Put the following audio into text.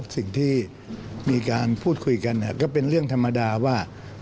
สิ่งที่มีการพูดคุยกันก็เป็นเรื่องธรรมดาว่า